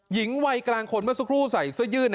หญิงวัยกลางคนเมื่อสักครู่ใส่เสื้อยืด